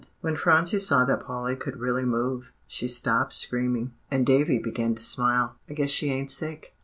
When Phronsie saw that Polly could really move, she stopped screaming; and Davie began to smile, "I guess she ain't sick."